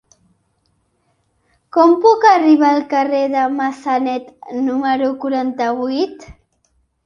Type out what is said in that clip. Com puc arribar al carrer de Massanet número quaranta-vuit?